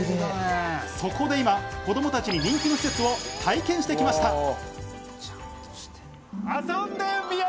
そこで今、子供たちに人気の施設を体験してきました。